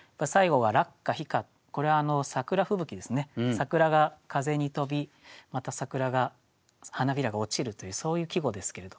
桜が風に飛びまた桜が花びらが落ちるというそういう季語ですけれど。